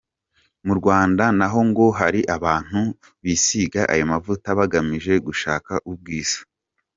Mu Rwanda naho ngo hari abantu bisiga ayo mavuta bagamije gushaka ubwiza.